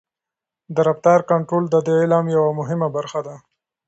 د رفتار کنټرول د دې علم یوه مهمه برخه ده.